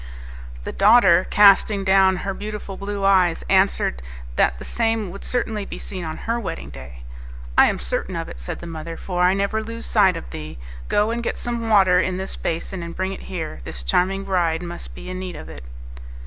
The daughter, casting down her beautiful blue eyes, answered that the same would certainly be seen on her wedding day. "I am certain of it," said the mother, "for I never lose sight of thee. Go and get some water in this basin, and bring it here. This charming bride must be in need of it."